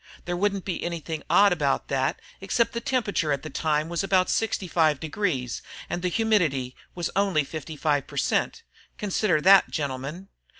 There wouldn't be anything odd about that except the temperature at the time was about 65 degrees, and the humidity was only 55 per cent. Consider that, gentlemen.